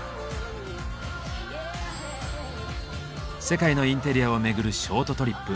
世界のインテリアを巡るショートトリップ。